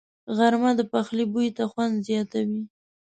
غرمه د پخلي بوی ته خوند زیاتوي